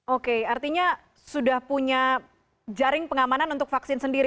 oke artinya sudah punya jaring pengamanan untuk vaksin sendiri